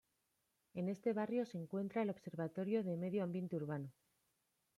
En este barrio se encuentra el Observatorio de Medio Ambiente Urbano.